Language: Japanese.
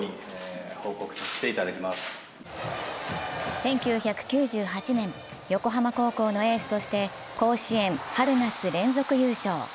１９９８年、横浜高校のエースとして甲子園春夏連続優勝。